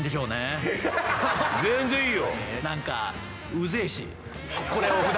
全然いいよ。